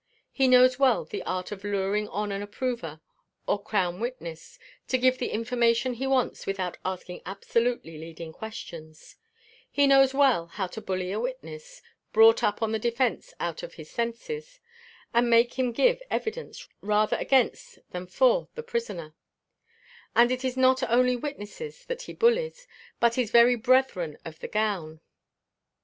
He knows well the art of luring on an approver, or crown witness, to give the information he wants without asking absolutely leading questions; he knows well how to bully a witness brought up on the defence out of his senses, and make him give evidence rather against than for the prisoner; and it is not only witnesses that he bullies, but his very brethren of the gown.